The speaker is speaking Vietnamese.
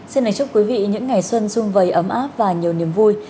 xin hãy chúc quý vị những ngày xuân sung vầy ấm áp và nhiều niềm vui